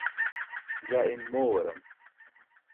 jaa in moowaram